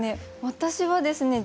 私はですね